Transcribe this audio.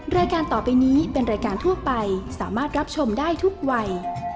รายการต่อไปนี้เป็นรายการทั่วไปสามารถรับชมได้ทุกวัย